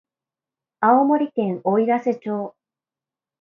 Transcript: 青森県おいらせ町